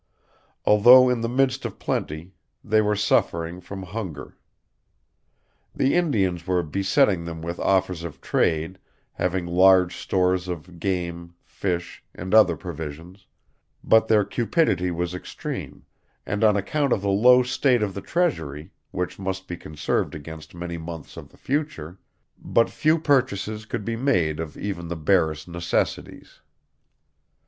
Although in the midst of plenty, they were suffering from hunger. The Indians were besetting them with offers of trade, having large stores of game, fish, and other provisions; but their cupidity was extreme, and, on account of the low state of the treasury, which must be conserved against many months of the future, but few purchases could be made of even the barest necessities.